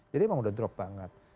jadi memang udah drop banget